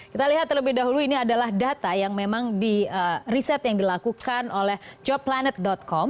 kita lihat terlebih dahulu ini adalah data yang memang di riset yang dilakukan oleh jobplanet com